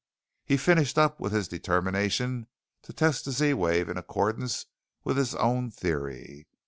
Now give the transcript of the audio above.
He finished up with his determination to test the Z wave in accordance with his own theory.